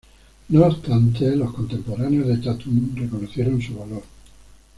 No obstante, los contemporáneos de Tatum reconocieron su valor.